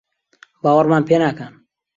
باوەڕمان پێ ناکەن؟